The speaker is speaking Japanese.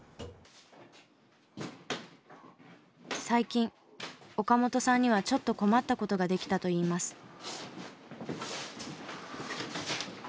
最近岡本さんにはちょっと困った事が出来たと言います。